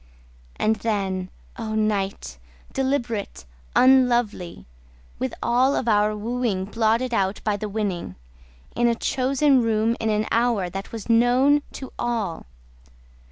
And then, O night! deliberate! unlovely! With all of our wooing blotted out by the winning, In a chosen room in an hour that was known to all!